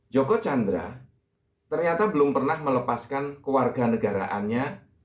joko chandra ternyata belum pernah melepaskan kewarganegaraannya